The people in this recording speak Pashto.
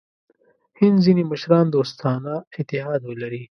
هند ځیني مشران دوستانه اتحاد ولري.